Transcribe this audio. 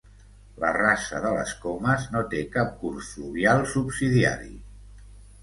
La Rasa de les Comes no té cap curs fluvial subsidiari.